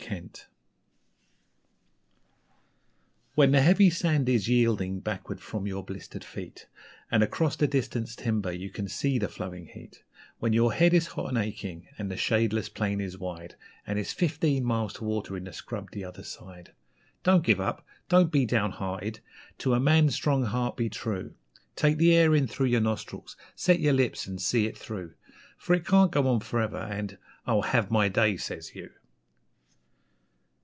'Sez You' When the heavy sand is yielding backward from your blistered feet, And across the distant timber you can SEE the flowing heat; When your head is hot and aching, and the shadeless plain is wide, And it's fifteen miles to water in the scrub the other side Don't give up, don't be down hearted, to a man's strong heart be true! Take the air in through your nostrils, set your lips and see it through For it can't go on for ever, and 'I'll have my day!' says you.